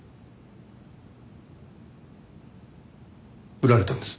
振られたんです。